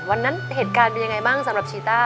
วันนั้นเหตุการณ์เป็นยังไงบ้างสำหรับชีต้า